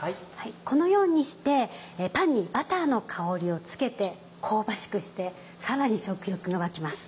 このようにしてパンにバターの香りをつけて香ばしくしてさらに食欲が湧きます。